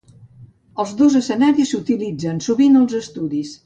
Els dos escenaris s'utilitzen sovint als estudis.